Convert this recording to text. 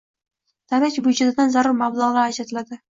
Davlat byudjetidan zarur mablag‘lar ajratiladi.